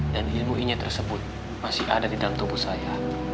dan ilmu inyek tersebut masih ada di dalam tubuh saya